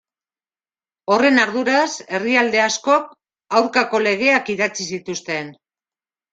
Horren arduraz, herrialde askok aurkako legeak idatzi zituzten.